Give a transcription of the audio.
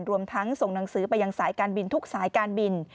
รวมทั้งส่งหนังสือไปยังสายการบินทุกสายการบิน